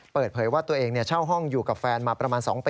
เปิดเผยว่าตัวเองเช่าห้องอยู่กับแฟนมาประมาณ๒ปี